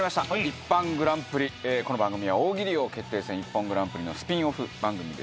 『ＩＰＰＡＮグランプリ』この番組は大喜利王決定戦『ＩＰＰＯＮグランプリ』のスピンオフ番組です。